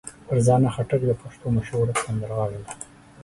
فرزانه خټک د پښتو مشهوره سندرغاړې ده.